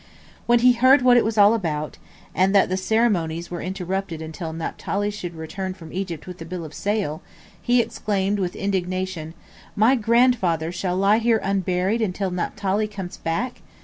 When he heard what it was all about, and that the ceremonies were interrupted until Naphtali should return from Egypt with the bill of sale, he exclaimed, with indignation, "My grandfather shall lie here unburied until Naphtali comes back!"